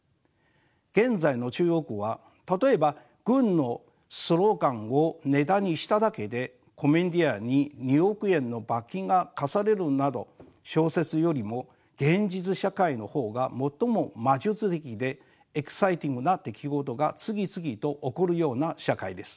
現在の中国は例えば軍のスローガンをネタにしただけでコメディアンに２億円の罰金が科されるなど小説よりも現実社会の方が最も魔術的でエキサイティングな出来事が次々と起こるような社会です。